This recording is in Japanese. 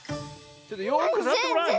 ちょっとよくさわってごらん。